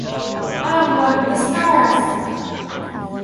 I'm one of the stars!